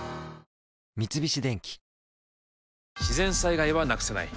三菱電機自然災害はなくせない。